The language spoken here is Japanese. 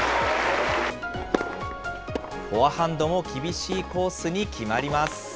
フォアハンドも厳しいコースに決まります。